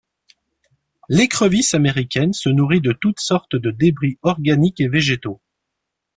L'écrevisse américaine se nourrit de toutes sortes de débris organiques et végétaux.